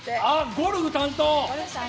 ゴルフ担当？